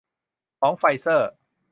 ของไฟเซอร์